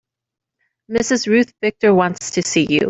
Mrs. Ruth Victor wants to see you.